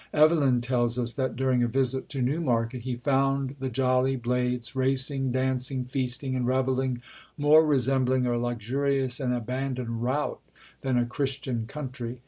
Evelyn tells us that, during a visit to Newmarket, he "found the jolly blades racing, dancing, feasting and revelling, more resembling a luxurious and abandoned rout than a Christian country.